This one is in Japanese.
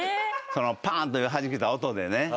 パーンというはじけた音でね。